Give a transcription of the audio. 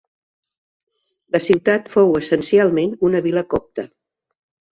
La ciutat fou essencialment una vila copta.